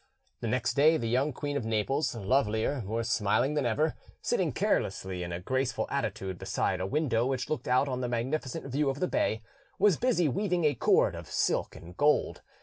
The next day the young Queen of Naples, lovelier, more smiling than ever, sitting carelessly in a graceful attitude beside a window which looked out on the magnificent view of the bay, was busy weaving a cord of silk and gold.